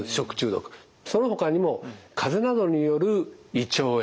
そのほかにも風邪などによる胃腸炎。